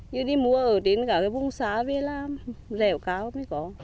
như đi mua ở đến cả cái vùng xá về là rẻo kháu mới có